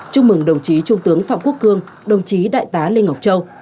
chúc mừng đồng chí trung tướng phạm quốc cương đồng chí đại tá lê ngọc châu